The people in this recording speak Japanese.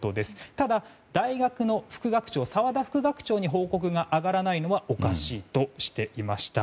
ただ、大学の副学長澤田副学長に報告が上がらないのはおかしいとしていました。